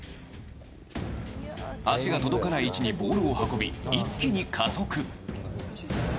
足が届かない位置にボールを運び一気に加速。